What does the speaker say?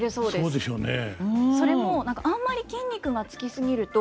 そうでしょうね。